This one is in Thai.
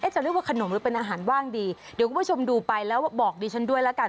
จะเรียกว่าขนมหรือเป็นอาหารว่างดีเดี๋ยวคุณผู้ชมดูไปแล้วบอกดิฉันด้วยแล้วกัน